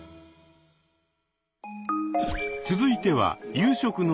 続いては夕食の準備。